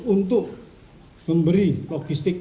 untuk memberi logistik